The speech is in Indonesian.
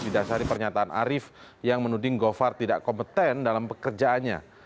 di dasari pernyataan arif yang menuding govar tidak kompeten dalam pekerjaannya